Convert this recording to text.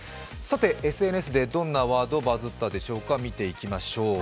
ＳＮＳでどんなワードがバズったでしょうか、見ていきましょう。